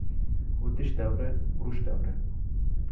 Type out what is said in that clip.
O‘tish davri — urush davri…